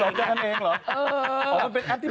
อ๋อเหรอเจอกันเองเหรอ